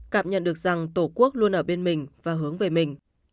cảm nhận được rằng tổ quốc luôn ở bên mình và hướng về mình